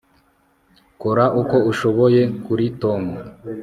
kora uko ushoboye kuri tom